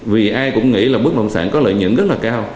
vì ai cũng nghĩ là bất động sản có lợi nhuận rất là cao